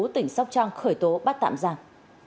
tỉnh sóc trang khởi tố bắt tạm giảm